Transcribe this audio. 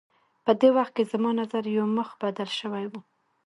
په دې وخت کې زما نظر یو مخ بدل شوی و.